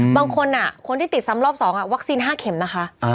บางคนคนที่ติดซ้ำรอบ๒วัคซีน๕เข็มนะคะ